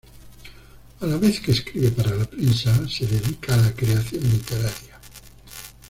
A la vez que escribe para la prensa, se dedica a la creación literaria.